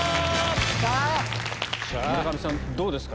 村上さんどうですか？